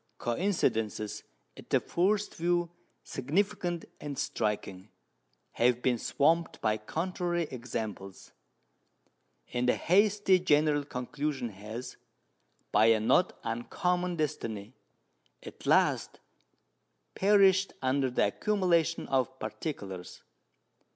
Coincidences at the first view significant and striking have been swamped by contrary examples; and a hasty general conclusion has, by a not uncommon destiny, at last perished under the accumulation of particulars.